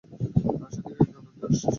Russia থেকে একজন doctor এসেছে।